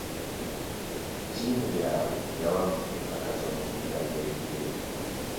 Ttiimu yaabwe yawangudde empaka z'omupiira gw'ebigere.